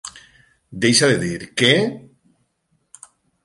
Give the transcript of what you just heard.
Deixa de dir "Què?"